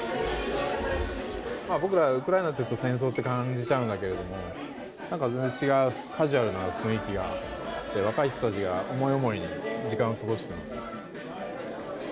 僕らウクライナというと戦争って感じちゃうんだけど全然違うカジュアルな雰囲気があって若い人たちが思い思いに時間を過ごしています。